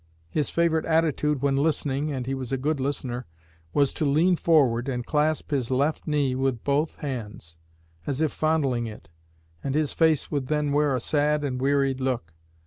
His favorite attitude when listening and he was a good listener was to lean forward, and clasp his left knee with both hands, as if fondling it, and his face would then wear a sad and wearied look.